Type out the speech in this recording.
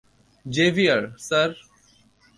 Xavier, sir.